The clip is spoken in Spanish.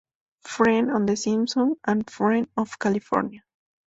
Friend of The Simpsons and Friend of California.